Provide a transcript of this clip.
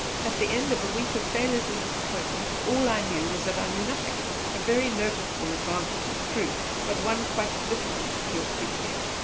At the end of a week of failures and disappointments all I knew was that I knew nothing a very notable advance it is true, but one quite difficult to appreciate!